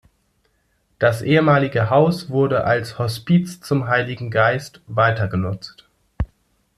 Das ehemalige Haus wurde als "Hospiz zum Heiligen Geist" weitergenutzt.